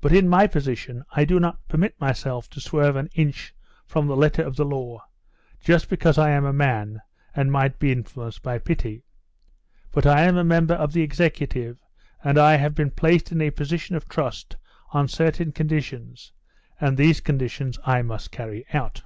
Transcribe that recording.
But in my position I do not permit myself to swerve an inch from the letter of the law, just because I am a man, and might be influenced by pity. But I am a member of the executive, and I have been placed in a position of trust on certain conditions, and these conditions I must carry out.